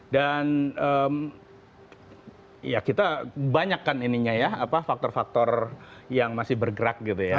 dan ya kita banyakkan ininya ya faktor faktor yang masih bergerak gitu ya